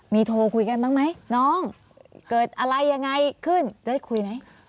มีโทรคุยกันบ้างไหมน้องเกิดอะไรยังไงขึ้นจะได้คุยไหม